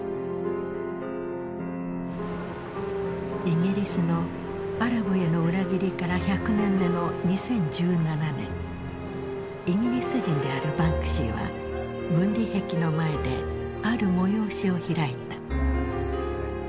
イギリスのアラブへの裏切りから１００年目の２０１７年イギリス人であるバンクシーは分離壁の前である催しを開いた。